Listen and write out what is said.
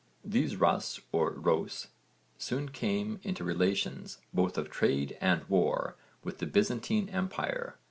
These 'Rus' or 'Rhôs' soon came into relations, both of trade and war, with the Byzantine empire.